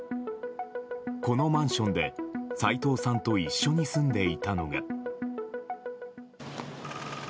このマンションで齋藤さんと一緒に住んでいたのが。